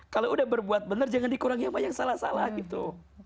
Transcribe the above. kalau udah berbuat benar jangan dikurangi apa yang salah salah gitu